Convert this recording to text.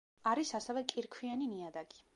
არის ასევე კირქვიანი ნიადაგი.